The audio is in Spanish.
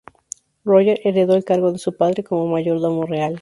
Roger heredó el cargo de su padre como mayordomo real.